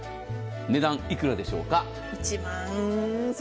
値段、幾らでしょうか。